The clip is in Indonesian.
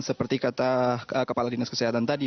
seperti kata kepala dinas kesehatan tadi